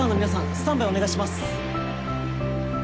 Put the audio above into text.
スタンバイお願いします。